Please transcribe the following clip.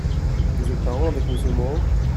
Vous êtes parent avec M. Mohan ?